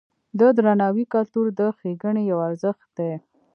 د درناوي کلتور د ښېګڼې یو ارزښت دی.